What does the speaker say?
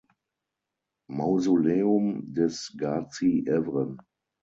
Mausoleum des Gazi Evren.